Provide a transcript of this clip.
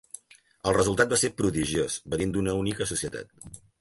El resultat va ser prodigiós, venint d'una única societat.